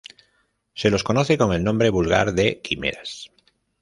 Se los conoce con el nombre vulgar de quimeras.